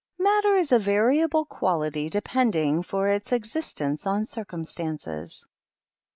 Matter is a variable quality depending for its existence on circumstances.